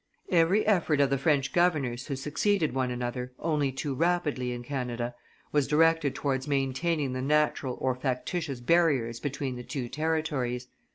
Every effort of the French governors who succeeded one another only too rapidly in Canada was directed towards maintaining the natural or factitious barriers between the two territories.